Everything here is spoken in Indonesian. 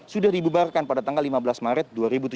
sudah dibubarkan pada tanggal lima belas maret dua ribu tujuh belas